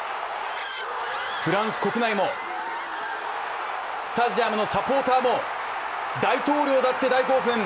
フランス国内もスタジアムのサポーターも大統領だって大興奮！